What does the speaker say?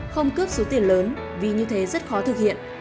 không cướp số tiền lớn vì như thế rất khó thực hiện